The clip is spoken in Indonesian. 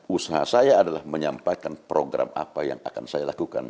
usaha saya adalah menyampaikan program apa yang akan saya lakukan